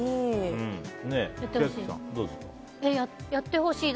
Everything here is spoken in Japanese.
やってほしい。